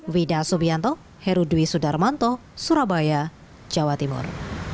wida subianto herudwi sudarmanto surabaya jawa timur